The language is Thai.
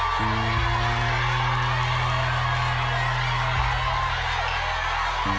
เริ่มเลยครับ